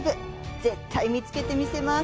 絶対見つけてみせます！